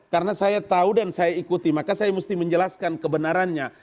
karena saya tahu dan saya ikuti maka saya mesti menjelaskan kebenarannya